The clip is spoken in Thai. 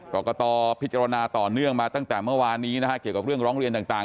กรกตพิจารณาต่อเนื่องมาตั้งแต่เมื่อวานนี้นะฮะเกี่ยวกับเรื่องร้องเรียนต่าง